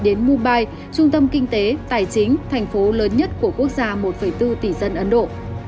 đến mubai trung tâm kinh tế tài chính thành phố lớn nhất của quốc gia một bốn tỷ dân ấn độ